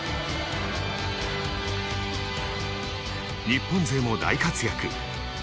日本勢も大活躍。